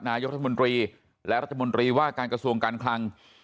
นายกรัฐมนตรีและรัฐมนตรีว่าการกระทรวงการคลัง